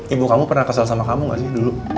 ibu kamu pernah kesel sama kamu gak sih dulu